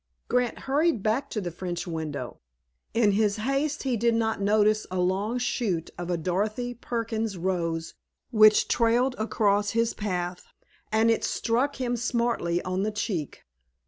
Grant hurried back to the French window. In his haste he did not notice a long shoot of a Dorothy Perkins rose which trailed across his path, and it struck him smartly on the cheek.